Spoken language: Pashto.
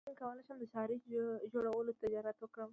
څنګه کولی شم د ښارۍ جوړولو تجارت وکړم